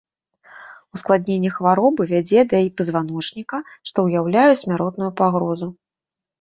Ускладненне хваробы вядзе да і пазваночніка, што ўяўляе смяротную пагрозу.